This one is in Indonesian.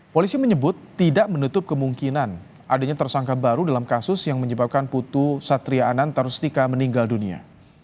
polisi menyebut tidak menutup kemungkinan adanya tersangka baru dalam kasus yang menyebabkan putu satria ananta rustika meninggal dunia